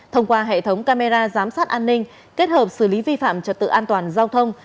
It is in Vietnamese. thông qua hệ thống camera giám sát an ninh kết hợp xử lý vi phạm trật tự an toàn giao thông